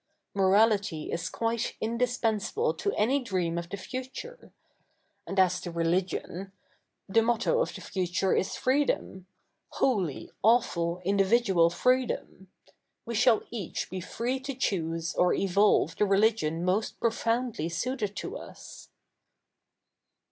Morality is quite in dispensable to any dream of the future. And as to religion — the motto of the future is freedom — holy, awful individual freedom. We shall each be free to choose or evolve the religion most profoundly suited to us.'